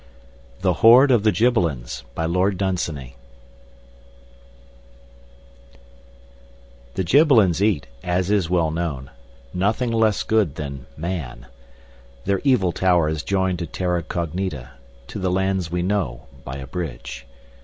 THE HOARD OF THE GIBBELINS The Gibbelins eat, as is well known, nothing less good than man. Their evil tower is joined to Terra Cognita, to the lands we know, by a bridge.